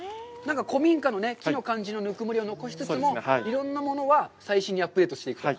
古民家の木の感じのぬくもりを残しつつも、いろんなものは最新にアップデートしていくと。